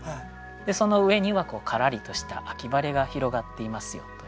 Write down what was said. その上にはからりとした秋晴が広がっていますよというね。